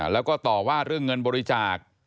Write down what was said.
แล้วก็ต่อว่าเรื่องเงินบริจาค